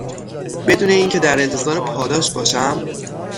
بدون اینکه در انتظار پاداش باشم